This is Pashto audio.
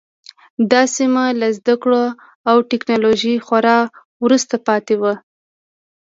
دا سیمه له زده کړو او ټکنالوژۍ خورا وروسته پاتې وه.